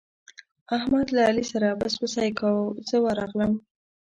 احمد له علي سره پسپسی کاوو، زه ورغلم.